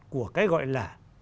của cái gọi là